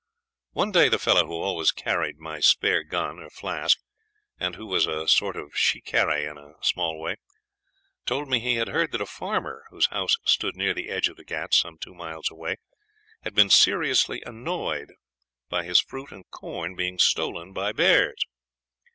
One day the fellow who always carried my spare gun or flask, and who was a sort of shikaree in a small way, told me he had heard that a farmer whose house stood near the edge of the Ghauts, some two miles away, had been seriously annoyed by his fruit and corn being stolen by bears.